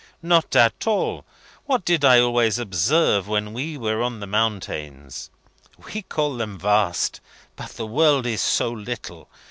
"Not at all! What did I always observe when we were on the mountains? We call them vast; but the world is so little.